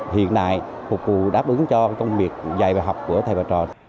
hiện đại phục vụ đáp ứng cho công việc dạy và học của thầy và trò